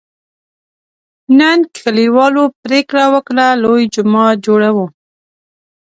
نن کلیوالو پرېکړه وکړه: لوی جومات جوړوو.